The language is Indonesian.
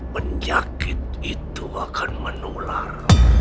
penyakit itu akan menular